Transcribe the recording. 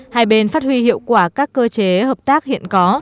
hai bên phát huy hiệu quả các cơ chế hợp tác hiện có